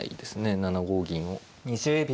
７五銀を。